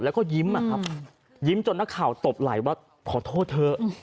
แล้วก็ยิ้มอะครับยิ้มจนนักข่าวตบไหล่ว่าขอโทษเถอะ